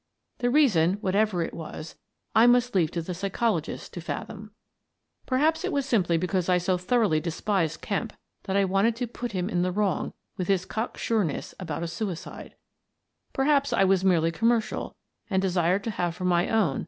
The reason, whatever it was, I must leave the psychologist to fathom. 56 Miss Frances Baird, Detective Perhaps it was simply because I so thoroughly despised Kemp that I wanted to put him in the wrong* with his cock sureness about a suicide; per haps I was merely commercial and desired to have for my own.